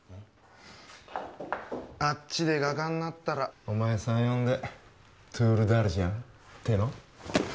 あっちで画家んなったらお前さん呼んでトゥールダルジャンっての？